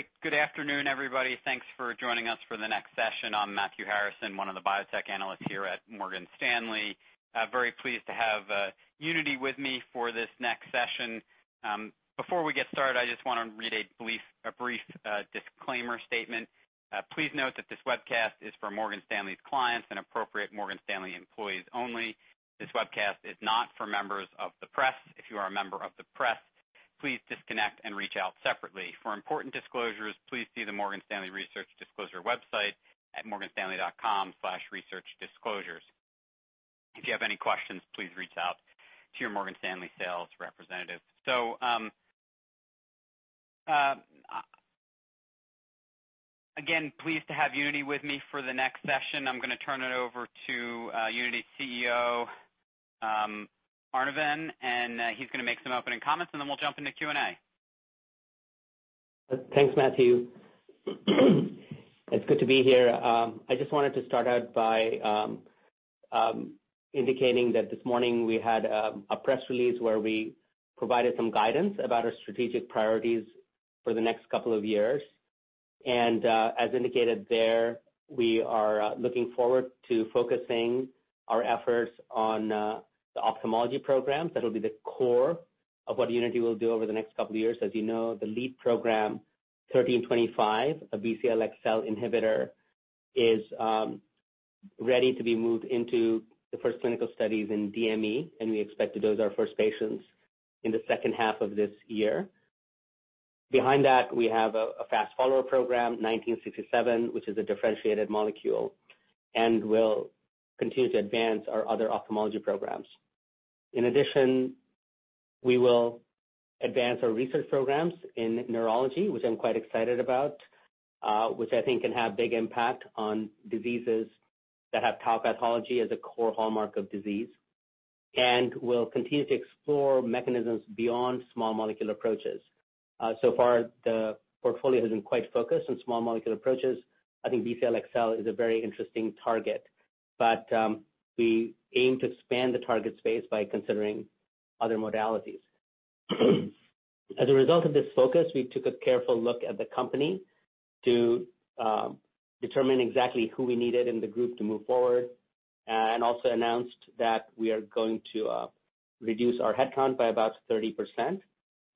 Well, great. Good afternoon, everybody. Thanks for joining us for the next session. I'm Matthew Harrison, one of the biotech analysts here at Morgan Stanley. Very pleased to have Unity with me for this next session. Before we get started, I just want to read a brief disclaimer statement. Please note that this webcast is for Morgan Stanley's clients and appropriate Morgan Stanley employees only. This webcast is not for members of the press. If you are a member of the press, please disconnect and reach out separately. For important disclosures, please see the Morgan Stanley Research Disclosure website at morganstanley.com/researchdisclosures. If you have any questions, please reach out to your Morgan Stanley sales representative. Again, pleased to have Unity with me for the next session. I'm going to turn it over to Unity's CEO, Anirvan, and he's going to make some opening comments, and then we'll jump into Q&A. Thanks, Matthew. It's good to be here. I just wanted to start out by indicating that this morning we had a press release where we provided some guidance about our strategic priorities for the next couple of years. As indicated there, we are looking forward to focusing our efforts on the ophthalmology programs. That'll be the core of what Unity Biotechnology will do over the next couple of years. As you know, the lead program, UBX1325, a Bcl-xL inhibitor, is ready to be moved into the first clinical studies in DME, and we expect to dose our first patients in the second half of this year. Behind that, we have a fast follower program, UBX1967, which is a differentiated molecule, and we'll continue to advance our other ophthalmology programs. In addition, we will advance our research programs in neurology, which I'm quite excited about, which I think can have big impact on diseases that have tau pathology as a core hallmark of disease. We'll continue to explore mechanisms beyond small molecule approaches. So far, the portfolio has been quite focused on small molecule approaches. I think Bcl-xL is a very interesting target, but we aim to expand the target space by considering other modalities. As a result of this focus, we took a careful look at the company to determine exactly who we needed in the group to move forward, and also announced that we are going to reduce our headcount by about 30%.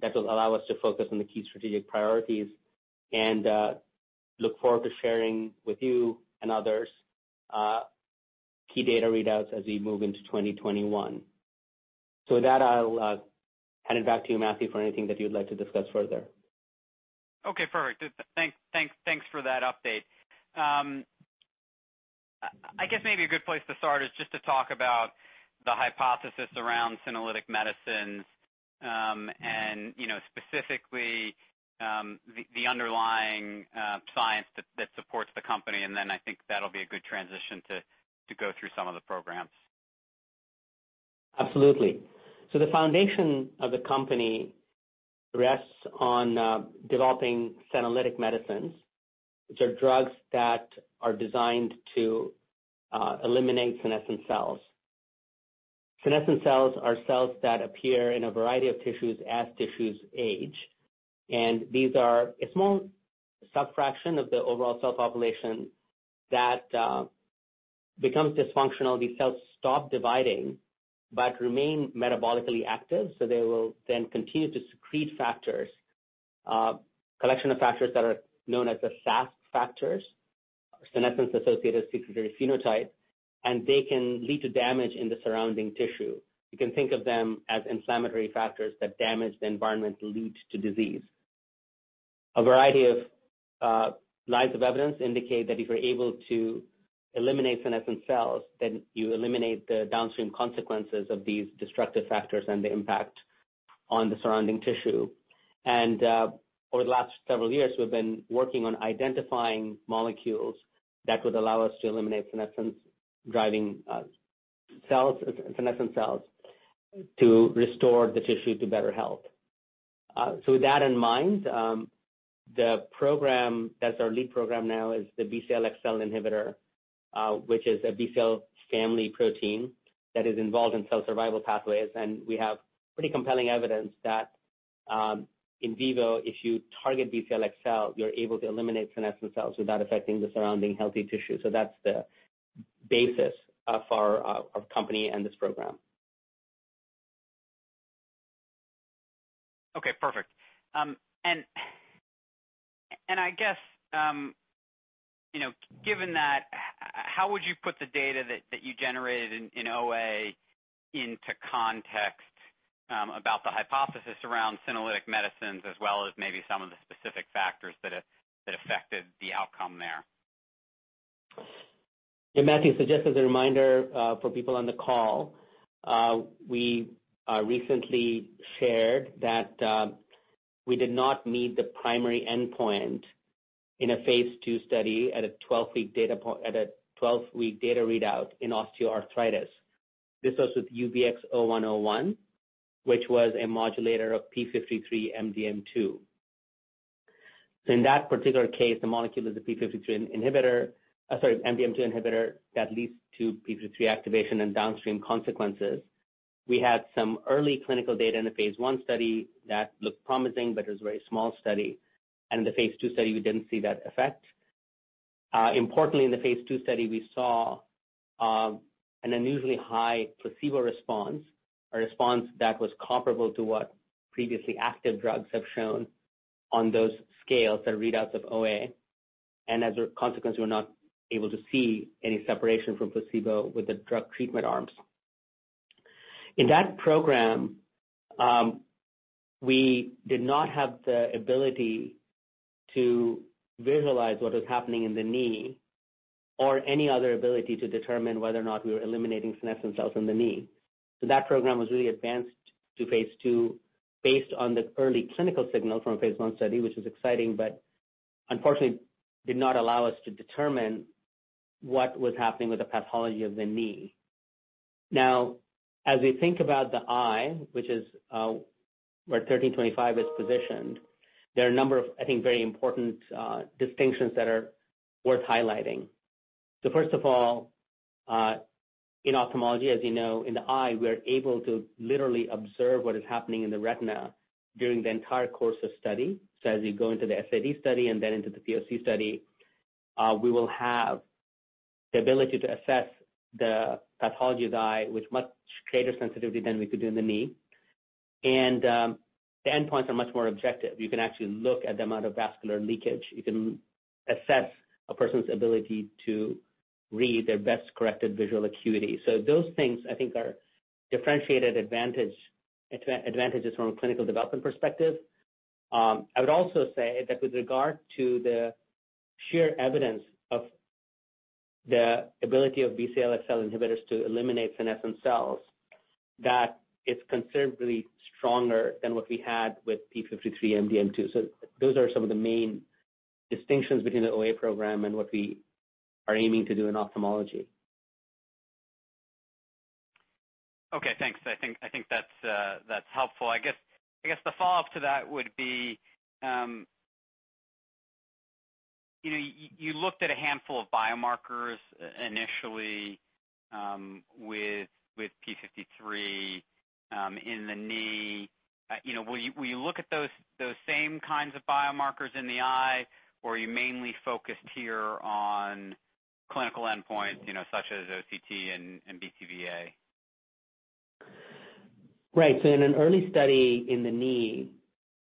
That will allow us to focus on the key strategic priorities and look forward to sharing with you and others key data readouts as we move into 2021. With that, I'll hand it back to you, Matthew, for anything that you'd like to discuss further. Okay, perfect. Thanks for that update. I guess maybe a good place to start is just to talk about the hypothesis around senolytic medicines, and specifically, the underlying science that supports Unity Biotechnology, and then I think that'll be a good transition to go through some of the programs. Absolutely. The foundation of the company rests on developing senolytic medicines, which are drugs that are designed to eliminate senescent cells. Senescent cells are cells that appear in a variety of tissues as tissues age. These are a small subfraction of the overall cell population that becomes dysfunctional. These cells stop dividing but remain metabolically active, so they will then continue to secrete factors, a collection of factors that are known as the SASP factors, senescence-associated secretory phenotype, and they can lead to damage in the surrounding tissue. You can think of them as inflammatory factors that damage the environment to lead to disease. A variety of lines of evidence indicate that if you're able to eliminate senescent cells, then you eliminate the downstream consequences of these destructive factors and the impact on the surrounding tissue. Over the last several years, we've been working on identifying molecules that would allow us to eliminate senescent-driving cells, senescent cells, to restore the tissue to better health. With that in mind, the program that's our lead program now is the Bcl-xL inhibitor, which is a Bcl family protein that is involved in cell survival pathways. We have pretty compelling evidence that in vivo, if you target Bcl-xL, you're able to eliminate senescent cells without affecting the surrounding healthy tissue. That's the basis for our company and this program. Okay, perfect. I guess, given that, how would you put the data that you generated in OA into context about the hypothesis around senolytic medicines as well as maybe some of the specific factors that affected the outcome there? Matthew, just as a reminder for people on the call, we recently shared that we did not meet the primary endpoint in a phase II study at a 12-week data readout in osteoarthritis. This was with UBX0101, which was a modulator of p53 MDM2. In that particular case, the molecule is a p53 inhibitor, sorry, MDM2 inhibitor that leads to p53 activation and downstream consequences. We had some early clinical data in the phase I study that looked promising, but it was a very small study, and in the phase II study, we didn't see that effect. Importantly, in the phase II study, we saw an unusually high placebo response, a response that was comparable to what previously active drugs have shown on those scales, the readouts of OA. As a consequence, we were not able to see any separation from placebo with the drug treatment arms. In that program, we did not have the ability to visualize what was happening in the knee or any other ability to determine whether or not we were eliminating senescent cells in the knee. That program was really advanced to phase II based on the early clinical signal from the phase I study, which was exciting, but unfortunately did not allow us to determine what was happening with the pathology of the knee. Now, as we think about the eye, which is where UBX1325 is positioned, there are a number of, I think, very important distinctions that are worth highlighting. First of all, in ophthalmology, as you know, in the eye, we're able to literally observe what is happening in the retina during the entire course of study. As we go into the SAD study and then into the POC study, we will have the ability to assess the pathology of the eye with much greater sensitivity than we could do in the knee. The endpoints are much more objective. You can actually look at the amount of vascular leakage. You can assess a person's ability to read their best corrected visual acuity. Those things, I think, are differentiated advantages from a clinical development perspective. I would also say that with regard to the sheer evidence of the ability of Bcl-xL inhibitors to eliminate senescent cells, that is considerably stronger than what we had with p53/MDM2. Those are some of the main distinctions between the OA program and what we are aiming to do in ophthalmology. Okay, thanks. I think that's helpful. I guess the follow-up to that would be, you looked at a handful of biomarkers initially with p53 in the knee. Will you look at those same kinds of biomarkers in the eye, or are you mainly focused here on clinical endpoints, such as OCT and BCVA? Right. In an early study in the knee,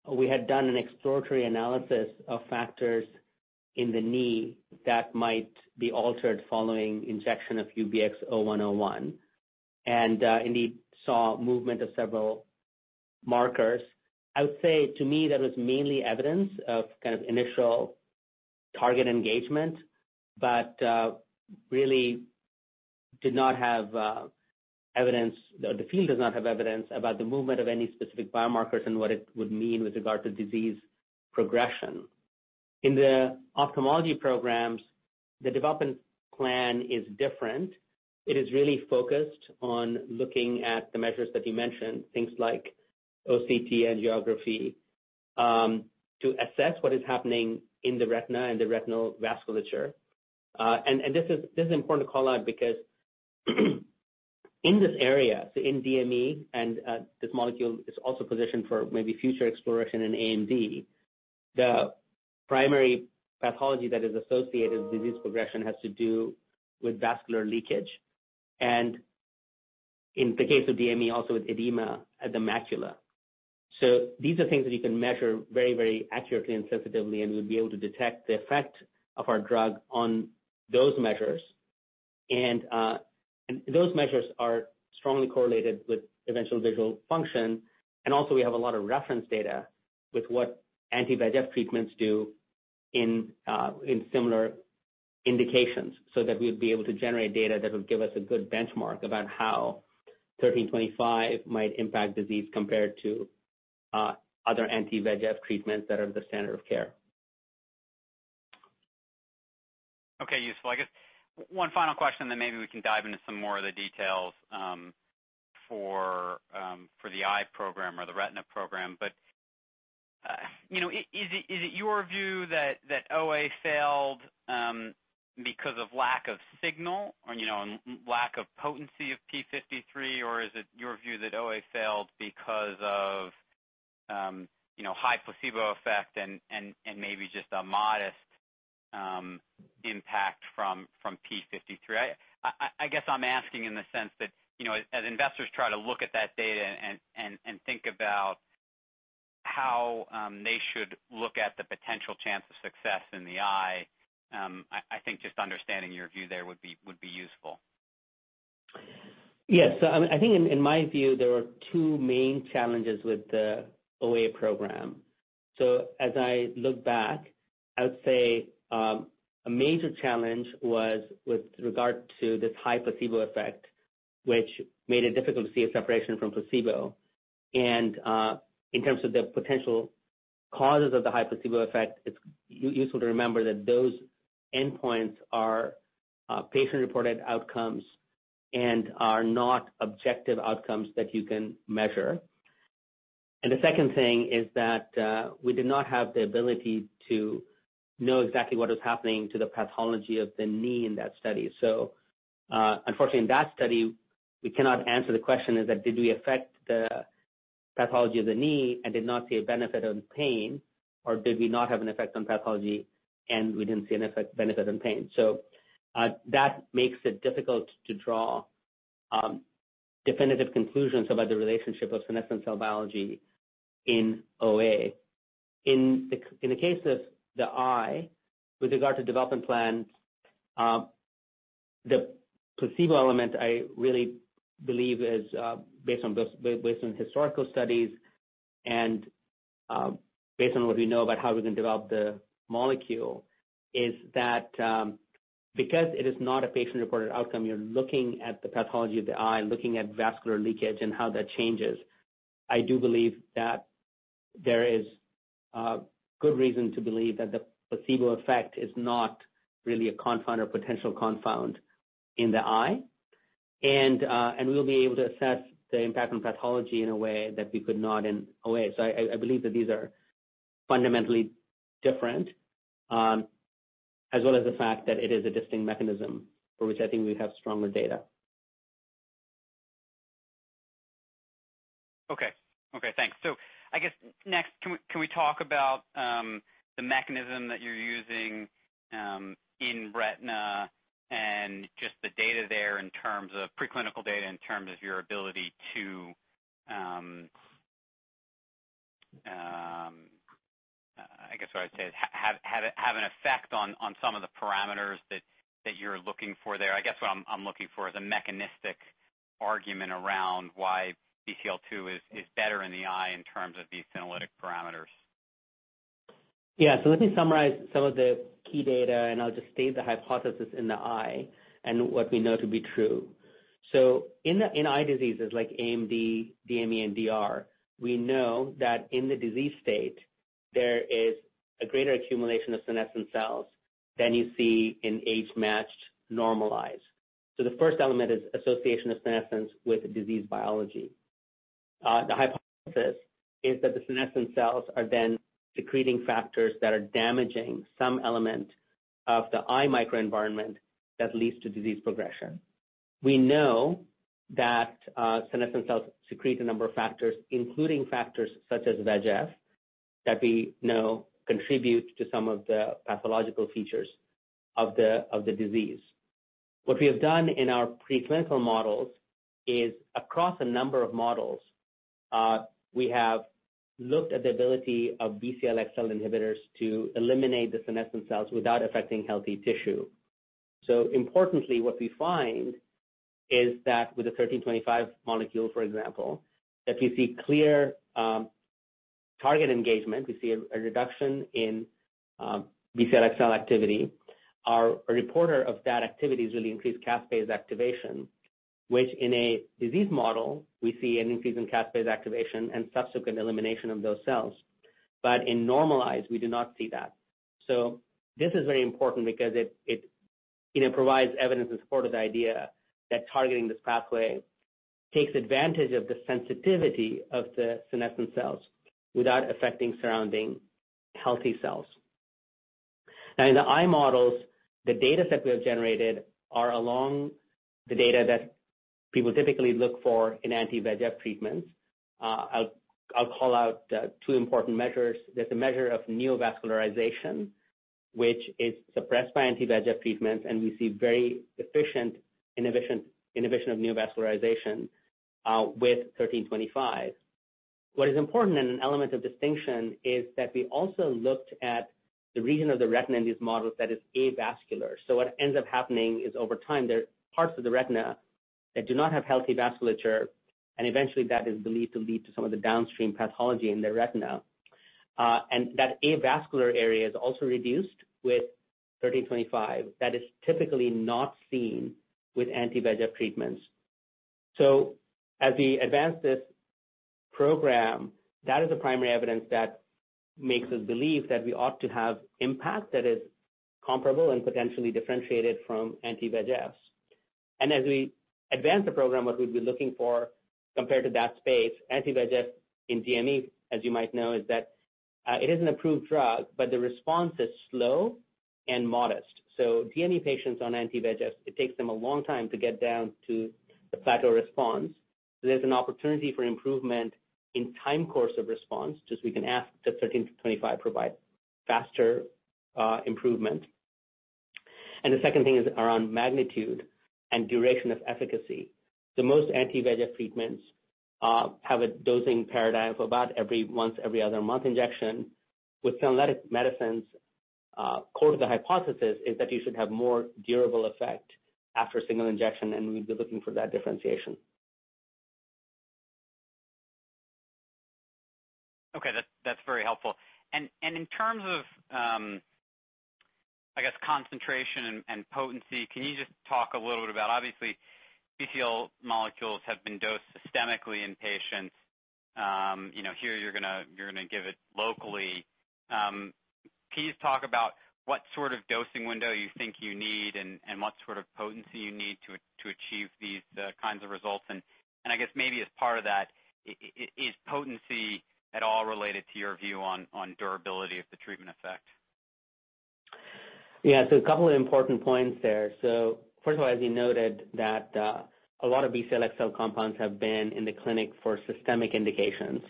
we had done an exploratory analysis of factors in the knee that might be altered following injection of UBX0101, and indeed, saw movement of several markers. I would say to me, that was mainly evidence of kind of initial target engagement, but really the field does not have evidence about the movement of any specific biomarkers and what it would mean with regard to disease progression. In the ophthalmology programs, the development plan is different. It is really focused on looking at the measures that you mentioned, things like OCT angiography, to assess what is happening in the retina and the retinal vasculature. This is important to call out because in this area, so in DME, and this molecule is also positioned for maybe future exploration in AMD, the primary pathology that is associated with disease progression has to do with vascular leakage. In the case of DME, also with edema at the macula. These are things that you can measure very, very accurately and sensitively and would be able to detect the effect of our drug on those measures. Those measures are strongly correlated with eventual visual function. Also, we have a lot of reference data with what anti-VEGF treatments do in similar indications, so that we'd be able to generate data that would give us a good benchmark about how UBX1325 might impact disease compared to other anti-VEGF treatments that are the standard of care. Okay, useful. I guess one final question, then maybe we can dive into some more of the details for the eye program or the retina program. Is it your view that OA failed because of lack of signal or lack of potency of p53? Is it your view that OA failed because of high placebo effect and maybe just a modest impact from p53? I guess I'm asking in the sense that as investors try to look at that data and think about how they should look at the potential chance of success in the eye, I think just understanding your view there would be useful. Yes. I think in my view, there were two main challenges with the OA program. As I look back, I would say a major challenge was with regard to this high placebo effect, which made it difficult to see a separation from placebo. In terms of the potential causes of the high placebo effect, it's useful to remember that those endpoints are patient-reported outcomes and are not objective outcomes that you can measure. The second thing is that we did not have the ability to know exactly what was happening to the pathology of the knee in that study. Unfortunately, in that study, we cannot answer the question is that did we affect the pathology of the knee and did not see a benefit in pain, or did we not have an effect on pathology and we didn't see an effect benefit in pain? That makes it difficult to draw definitive conclusions about the relationship of senescent cell biology in OA. In the case of the eye, with regard to development plans, the placebo element I really believe is based on historical studies and based on what we know about how we're going to develop the molecule, is that because it is not a patient-reported outcome, you're looking at the pathology of the eye and looking at vascular leakage and how that changes. I do believe that there is good reason to believe that the placebo effect is not really a confound or potential confound in the eye. We'll be able to assess the impact on pathology in a way that we could not in OA. I believe that these are fundamentally different, as well as the fact that it is a distinct mechanism for which I think we have stronger data. Okay. Thanks. I guess next, can we talk about the mechanism that you're using in retina and just the data there in terms of preclinical data, in terms of your ability to, I guess what I'd say, have an effect on some of the parameters that you're looking for there. I guess what I'm looking for is a mechanistic argument around why Bcl-xL is better in the eye in terms of these senolytic parameters. Yeah. Let me summarize some of the key data, and I'll just state the hypothesis in the eye and what we know to be true. In eye diseases like AMD, DME, and DR, we know that in the disease state, there is a greater accumulation of senescent cells than you see in age-matched normal eyes. The first element is association of senescence with disease biology. The hypothesis is that the senescent cells are then secreting factors that are damaging some element of the eye microenvironment that leads to disease progression. We know that senescent cells secrete a number of factors, including factors such as VEGF, that we know contribute to some of the pathological features of the disease. What we have done in our preclinical models is, across a number of models, we have looked at the ability of Bcl-xL inhibitors to eliminate the senescent cells without affecting healthy tissue. Importantly, what we find is that with the UBX1325 molecule, for example, that we see clear target engagement. We see a reduction in Bcl-xL activity. Our reporter of that activity is really increased caspase activation, which in a disease model, we see an increase in caspase activation and subsequent elimination of those cells. In normal eyes, we do not see that. This is very important because it provides evidence and support of the idea that targeting this pathway takes advantage of the sensitivity of the senescent cells without affecting surrounding healthy cells. In the eye models, the data set we have generated are along the data that people typically look for in anti-VEGF treatments. I'll call out two important measures. There's a measure of neovascularization, which is suppressed by anti-VEGF treatments, and we see very efficient inhibition of neovascularization with UBX1325. What is important and an element of distinction is that we also looked at the region of the retina in these models that is avascular. What ends up happening is over time, there are parts of the retina that do not have healthy vasculature, and eventually that is believed to lead to some of the downstream pathology in the retina. That avascular area is also reduced with UBX1325. That is typically not seen with anti-VEGF treatments. As we advance this program, that is the primary evidence that makes us believe that we ought to have impact that is comparable and potentially differentiated from anti-VEGFs. As we advance the program, what we'd be looking for compared to that space, anti-VEGF in DME, as you might know, is that it is an approved drug, but the response is slow and modest. DME patients on anti-VEGFs, it takes them a long time to get down to the plateau response. There's an opportunity for improvement in time course of response, which we can ask does UBX1325 provide faster improvement. The second thing is around magnitude and duration of efficacy. The most anti-VEGF treatments have a dosing paradigm of about every month, every other month injection. With senolytic medicines, core to the hypothesis is that you should have more durable effect after a single injection, and we'd be looking for that differentiation. Okay. That's very helpful. In terms of, I guess, concentration and potency, can you just talk a little bit about, obviously, BCL molecules have been dosed systemically in patients. Please talk about what sort of dosing window you think you need and what sort of potency you need to achieve these kinds of results. I guess maybe as part of that, is potency at all related to your view on durability of the treatment effect? Yeah. A couple of important points there. First of all, as you noted, that a lot of Bcl-xL compounds have been in the clinic for systemic indications.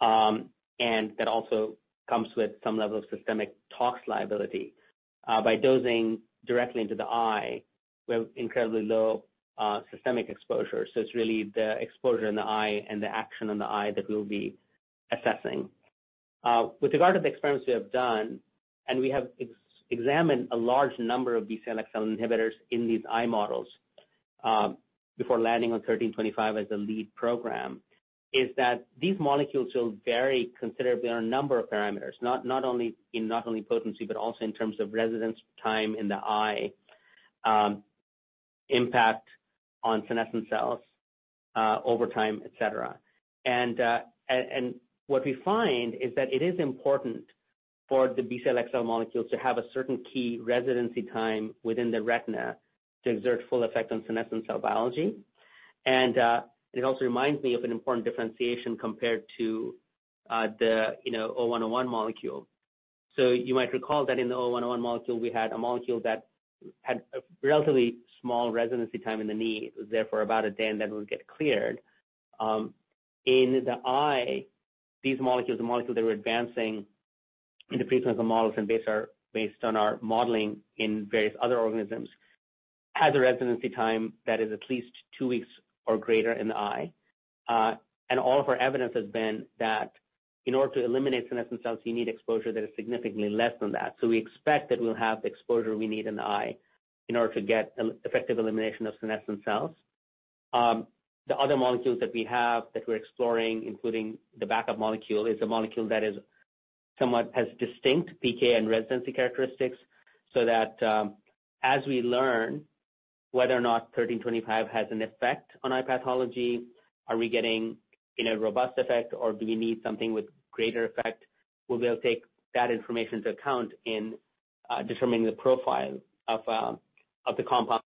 That also comes with some level of systemic tox liability. By dosing directly into the eye, we have incredibly low systemic exposure. It's really the exposure in the eye and the action in the eye that we'll be assessing. With regard to the experiments we have done, and we have examined a large number of Bcl-xL inhibitors in these eye models, before landing on UBX1325 as a lead program, is that these molecules will vary considerably on a number of parameters, not only in potency, but also in terms of residence time in the eye, impact on senescent cells, over time, et cetera. What we find is that it is important for the Bcl-xL molecules to have a certain key residency time within the retina to exert full effect on senescent cell biology. It also reminds me of an important differentiation compared to the UBX0101 molecule. You might recall that in the UBX0101 molecule, we had a molecule that had a relatively small residency time in the knee. It was there for about a day, and then it would get cleared. In the eye, these molecules, the molecules that we're advancing in the preclinical models and based on our modeling in various other organisms, has a residency time that is at least two weeks or greater in the eye. All of our evidence has been that in order to eliminate senescent cells, you need exposure that is significantly less than that. We expect that we'll have the exposure we need in the eye in order to get effective elimination of senescent cells. The other molecules that we have that we're exploring, including the backup molecule, is a molecule that is somewhat has distinct PK and residency characteristics, so that as we learn whether or not UBX1325 has an effect on eye pathology, are we getting a robust effect, or do we need something with greater effect? We'll be able to take that information into account in determining the profile of the compound.